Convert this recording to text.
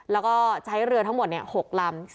แล้วก็ใช้เรือทั้งหมด๖ลำ